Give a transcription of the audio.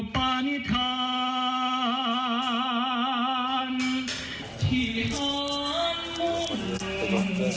ปราณิทานที่อ่านหมู่หนึ่ง